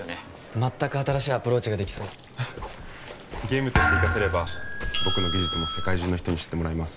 全く新しいアプローチができそうゲームとして生かせれば僕の技術も世界中の人に知ってもらえます